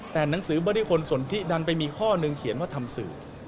แต่หนังสือบริคลสนทิดันไปมีข้อหนึ่งเขียนว่าทำสื่อ